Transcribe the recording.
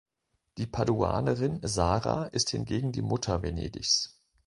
Die Paduanerin Sarah ist hingegen die Mutter Venedigs.